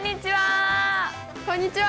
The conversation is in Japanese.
こんにちは！